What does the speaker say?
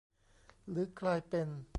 หรือกลายเป็น